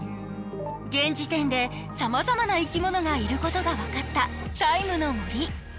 現時点でさまざまな生き物がいることが分かった「ＴＩＭＥの森」。